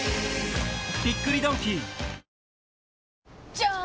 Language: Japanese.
じゃーん！